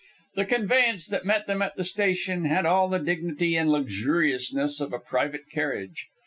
The conveyance that met them at the station had all the dignity and luxuriousness of a private carriage.